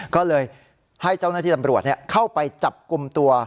ก็เลยให้เจ้าหน้าที่ตำรวจเข้าไปจับกลุ่มตัว